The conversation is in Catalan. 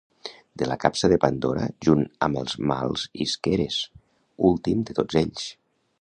De la capsa de Pandora junt amb els mals isqueres, últim de tots ells.